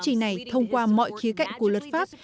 trình này thông qua mọi khía cạnh của luật pháp